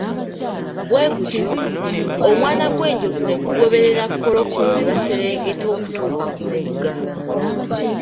Bwe gutyo, omwana gw'enjovu ne gugoberera Kaloolo ne baserengeta okutuuka ku mugga.